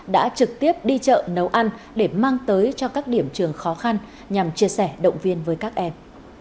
đã trực tiếp đi chợ nấu ăn để mang tới cho các điểm trường khó khăn nhằm chia sẻ động viên với các em